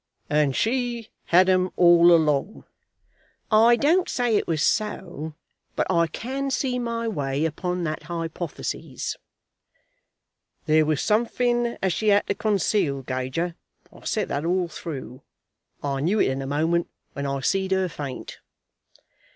"And she had 'em all along?" "I don't say it was so, but I can see my way upon that hypothesis." "There was something as she had to conceal, Gager. I've said that all through. I knew it in a moment when I see'd her faint."